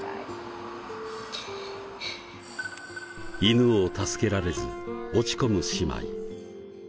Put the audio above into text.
犬を助けられず落ち込む姉妹。